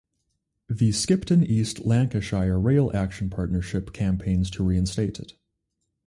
The Skipton-East Lancashire Rail Action Partnership campaigns to reinstate it.